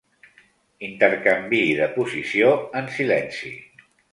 Intercanviï de posició en silenci.